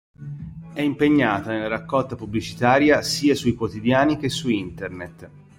È impegnata nella raccolta pubblicitaria sia sui quotidiani che su internet.